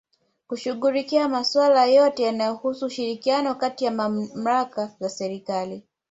Kushughulikia masula yote yanayohusu ushirikiano kati ya Malmaka za Serikali